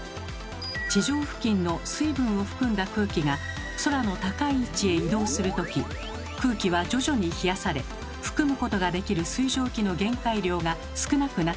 地上付近の水分を含んだ空気が空の高い位置へ移動するとき空気は徐々に冷やされ含むことができる水蒸気の限界量が少なくなっていきます。